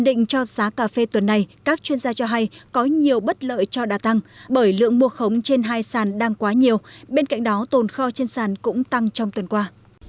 định cho giá cà phê tuần này các chuyên gia cho hay có nhiều bất lợi cho đa tăng bởi lượng mua khống trên hai sàn đang quá nhiều bên cạnh đó tồn kho trên sàn cũng tăng trong tuần qua